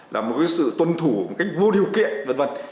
là một sự tuân thủ một cách vô điều kiện v v